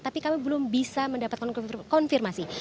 tapi kami belum bisa mendapatkan konfirmasi